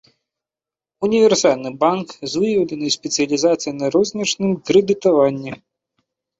Універсальны банк, з выяўленай спецыялізацыяй на рознічным крэдытаванні.